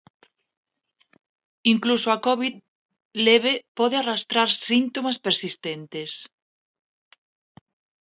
Incluso a Covid leve pode arrastrar síntomas persistentes.